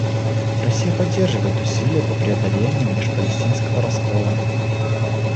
Россия поддерживает усилия по преодолению межпалестинского раскола.